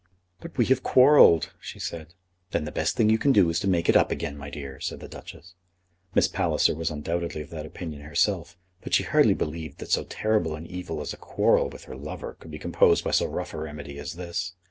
"But we have quarrelled," she said. "Then the best thing you can do is to make it up again, my dear," said the Duchess. Miss Palliser was undoubtedly of that opinion herself, but she hardly believed that so terrible an evil as a quarrel with her lover could be composed by so rough a remedy as this.